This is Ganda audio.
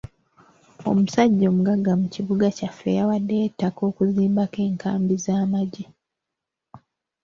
Omusajja omugagga mu kibuga kyaffe yawaddeyo ettaka okuzimba ko enkambi z'amagye.